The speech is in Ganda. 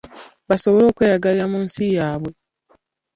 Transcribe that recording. Basobole okweyagalira mu nsi yaabwe.